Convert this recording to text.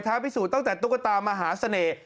พิสูจน์ตั้งแต่ตุ๊กตามหาเสน่ห์